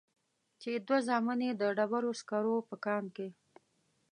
چې دوه زامن يې د ډبرو سکرو په کان کې.